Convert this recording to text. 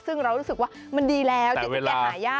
ซึ่งเรารู้สึกว่ามันดีแล้วที่ตุ๊กแกหายาก